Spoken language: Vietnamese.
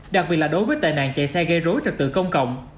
đặc biệt là đối với tệ nạn chạy xe gây rối trật tự công cộng